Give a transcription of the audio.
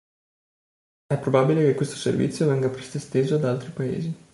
È probabile che questo servizio venga presto esteso ad altri paesi.